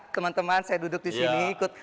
teman teman saya duduk disini ikut